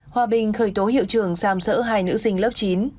hòa bình khởi tố hiệu trưởng xàm sỡ hai nữ sinh lớp chín